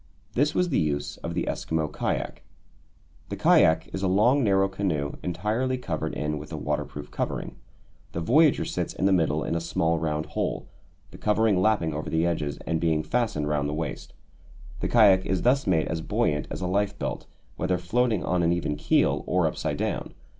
This was the use of the Eskimo kayak. The kayak is a long narrow canoe, entirely covered in with a waterproof covering. The voyager sits in the middle in a small round hole, the covering lapping over the edges and being fastened round the waist. The kayak is thus made as buoyant as a life belt, whether floating on an even keel or upside down.